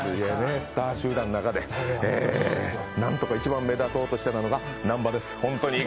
スター集団の中でなんとか一番目立とうとしていたのが南波です。